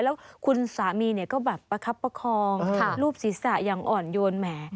แล้วคุณสามีเนี่ยก็แบบประคับประคองรูปศีรษะอย่างอ่อนโยนแหม